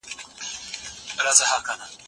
که ته په ښکلا پوه سې نو لیکوال یې.